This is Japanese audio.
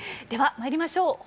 ではまいりましょう。